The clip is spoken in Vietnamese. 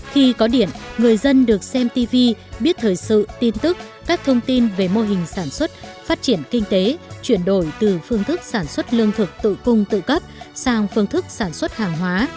khi có điện người dân được xem tv biết thời sự tin tức các thông tin về mô hình sản xuất phát triển kinh tế chuyển đổi từ phương thức sản xuất lương thực tự cung tự cấp sang phương thức sản xuất hàng hóa